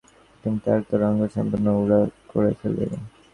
সে পরেশবাবুকে নিরস্ত করিয়া প্রথমে তাঁহার তোরঙ্গ সম্পূর্ণ উজাড় করিয়া ফেলিল।